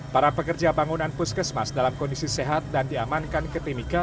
para pekerja bangunan puskesmas dalam kondisi sehat dan diamankan ke timika